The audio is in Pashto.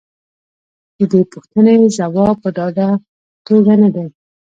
د دې پوښتنې ځواب په ډاډه توګه نه دی.